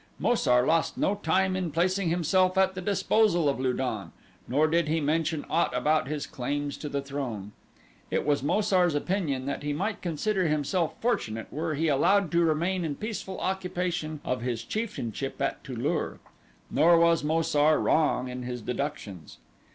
Mo sar lost no time in placing himself at the disposal of Lu don, nor did he mention aught about his claims to the throne. It was Mo sar's opinion that he might consider himself fortunate were he allowed to remain in peaceful occupation of his chieftainship at Tu lur, nor was Mo sar wrong in his deductions.